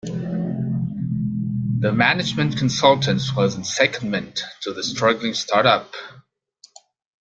The management consultant was on secondment to the struggling start-up